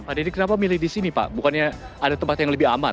pak dedy kenapa milih di sini pak bukannya ada tempat yang lebih aman